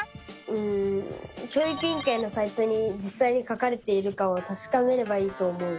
うん教育委員会のサイトにじっさいに書かれているかをたしかめればいいと思う！